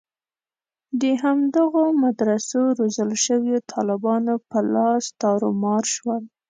د همدغو مدرسو روزل شویو طالبانو په لاس تارومار شول.